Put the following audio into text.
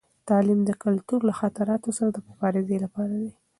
تعلیم د کلتور له خطراتو سره د مبارزې لپاره دی.